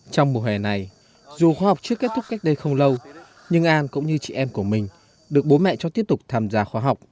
trong mùa hè này dù khóa học chưa kết thúc cách đây không lâu nhưng an cũng như chị em của mình được bố mẹ cho tiếp tục tham gia khóa học